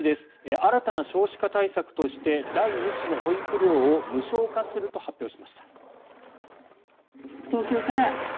新たな少子化対策として第２子の保育料を無償化すると発表しました。